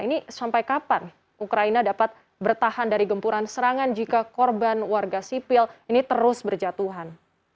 ini sampai kapan ukraina dapat bertahan dari gempuran serangan jika korban warga sipil ini terus berjatuhan